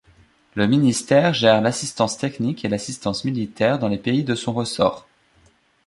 Le ministère gère l'assistance technique et l'assistance militaire dans les pays de son ressort.